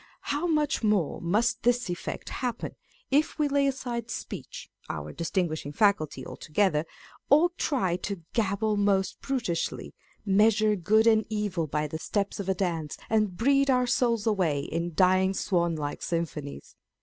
How much more must this effect happen, if we lay aside speech (our distinguishing faculty) altogether, or try to " gabble most brutishly," measure good and evil by the steps of a dance, and breathe our souls away in dying swan like symphonies